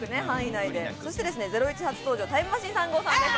そして『ゼロイチ』初登場、タイムマシーン３号さんです。